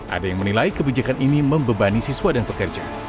ada yang menilai kebijakan ini membebani siswa dan pekerja